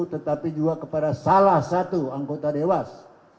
tetapi juga kepada salah satu anggota dewas